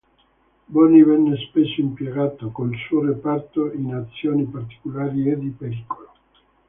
Boni venne spesso impiegato col suo reparto in azioni particolari e di pericolo.